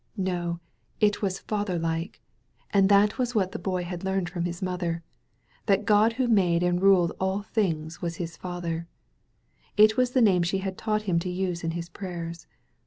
No, it was Father like — «79 THE VALLEY OF VISION and that was what the Boy had learned from his mother — ^that Grod who made and ruled all things was hb Father. It was the name she had taught him to use in his prayers.